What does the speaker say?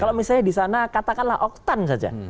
kalau misalnya di sana katakanlah oktan saja